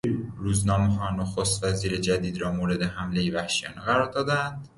روزنامهها نخستوزیر جدید را مورد حملهی وحشیانه قرار دادند.